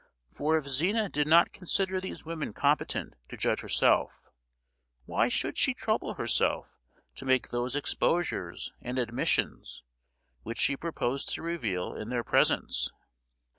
For if Zina did not consider these women competent to judge herself, why should she trouble herself to make those exposures and admissions which she proposed to reveal in their presence?